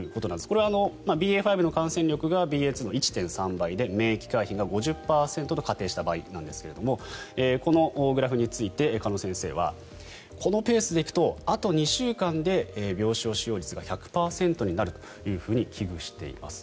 これはＢＡ．５の感染力がＢＡ．２の１．３倍で免疫回避が５０％と仮定した場合ですがこのグラフについて鹿野先生はこのペースで行くとあと２週間で病床使用率が１００％になると危惧しています。